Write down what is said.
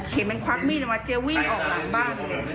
เห็นมันควักมีดออกมาเจ๊วิ่งออกหลังบ้าน